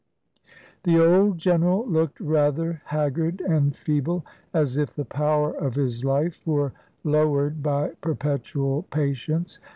The old General looked rather haggard and feeble, as if the power of his life were lowered by perpetual patience.